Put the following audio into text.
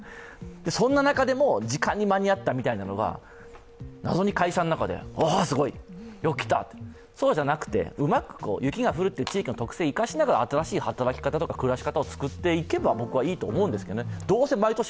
そんな中でも時間に間に合ったみたいなのが謎に会社にいる中で、おおすごい、よく来た、じゃなくて雪が降るという地域の特性を生かしながら、新しい働き方とか、暮らし方を作っていけば、僕はいいと思うんですね。